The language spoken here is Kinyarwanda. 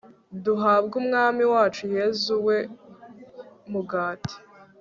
duhabwe umwami wacu yezu, we mugati